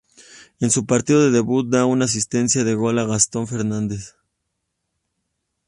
En su partido de debut, da una asistencia de gol a Gastón Fernández.